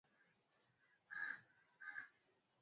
maji ya atlantiki yalikuwa ya baridi sana siku hiyoi